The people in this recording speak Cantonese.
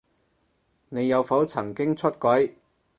你有否曾經出軌？